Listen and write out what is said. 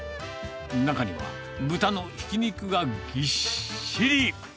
中には豚のひき肉がぎっしり。